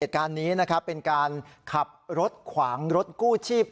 เหตุการณ์นี้นะครับเป็นการขับรถขวางรถกู้ชีพ